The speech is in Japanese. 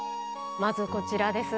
まずこちらです。